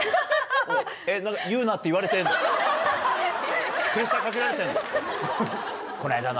これ、言うなって言われてるね。